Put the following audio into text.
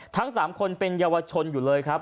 ทั้ง๓คนเป็นเยาวชนอยู่เลยครับ